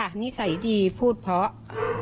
นิสัยดีพูดเพราะ